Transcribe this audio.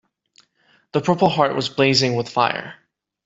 The purple heart was blazing with fire.